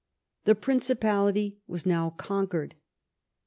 The Principality was now conquered.